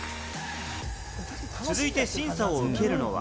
続いて審査を受けるのは。